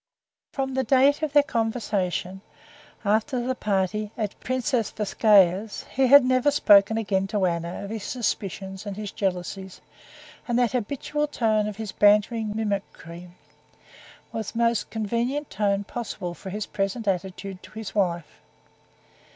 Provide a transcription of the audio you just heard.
From the date of their conversation after the party at Princess Tverskaya's he had never spoken again to Anna of his suspicions and his jealousies, and that habitual tone of his bantering mimicry was the most convenient tone possible for his present attitude to his wife.